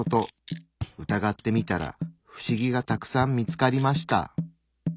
疑ってみたら不思議がたくさん見つかりました。